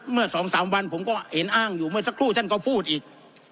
เมื่อ๒๓วันผมก็เห็นอ้างอยู่เมื่อสักครู่ท่านก็พูดอีก